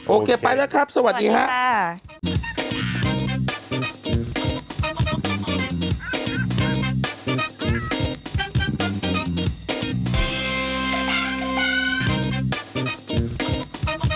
โอเคไปแล้วครับสวัสดีครับ